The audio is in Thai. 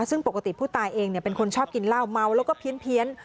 ซึ่งปกติผู้ตายเองเป็นคนชอบกินเหล้าเมาแล้วก็เพี้ยน